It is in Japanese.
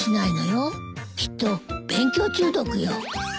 きっと勉強中毒よ。